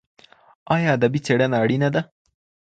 ایا ادبي څېړنه اړینه ده؟